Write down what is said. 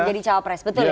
menjadi capres betul ya